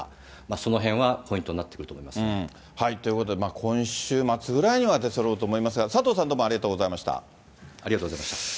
そのへんはポイントになってくるということで、今週末ぐらいには出そろうと思いますが、佐藤さん、どうもありがありがとうございました。